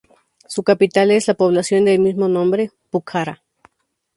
Su capital es la población del mismo nombre, Pucará.